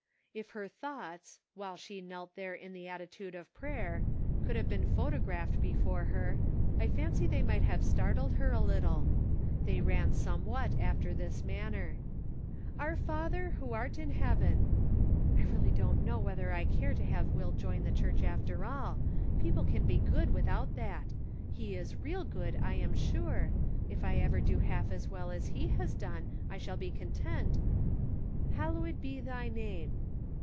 If her thoughts, while she knelt there in the attitude of prayer, could have been photographed before her, I fancy they might have startled her a little. They ran somewhat after this manner :"' Our Father who art in heaven '— I don't really know whether I care to have Will join the church after all ; people can be good without that ; he is real good I'm sure ; if I ever do half as 280 The Pocket Measure. well as he has done I shall be content —' hal lowed be thy name.'